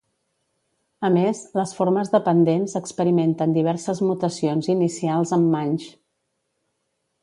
A més, les formes dependents experimenten diverses mutacions inicials en manx.